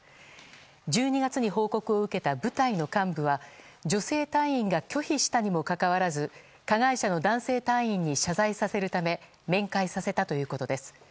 １２月に報告を受けた部隊の幹部は、女性隊員が拒否したにもかかわらず加害者の男性隊員に謝罪させるため面会させたということです。